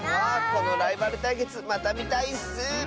このライバルたいけつまたみたいッス！